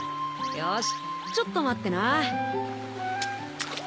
よしちょっと待ってな。